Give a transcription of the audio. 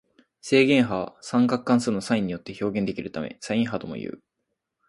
正弦波は三角関数のサインによって表現できるためサイン波ともいう。